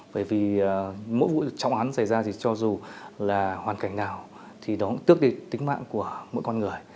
bởi vì mỗi vụ trọng án xảy ra thì cho dù là hoàn cảnh nào thì nó cũng tước đi tính mạng của mỗi con người